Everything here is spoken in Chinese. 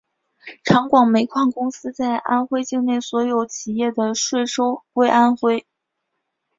长广煤矿公司在安徽境内所有企业的税收归安徽。